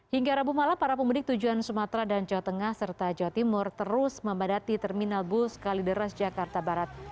hingga rabu malam para pemudik tujuan sumatera dan jawa tengah serta jawa timur terus membadati terminal bus kalideras jakarta barat